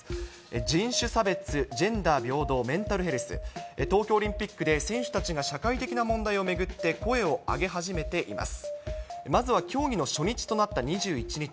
人種差別、ジェンダー平等、メンタルヘルス、東京オリンピックで、選手たちが社会的な問題を巡って声を上げ始めています。